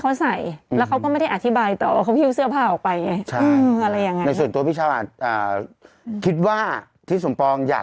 ต้องตรงนะคนที่ได้อยู่บ้านพี่ติ๋มได้ผ่านมา